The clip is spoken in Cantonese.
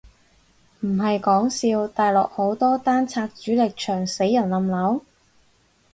唔係講笑，大陸好多單拆主力牆死人冧樓？